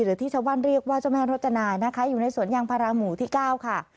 หรือที่ชาวบ้านเรียกว่าเจ้าแม่รจนายนะคะอยู่ในสวนยางพาราหมู่ที่๙ค่ะ